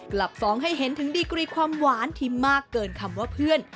กลับฟ้องให้เห็นถึงดีกรีความหวานที่มากเกินคำว่าเพื่อน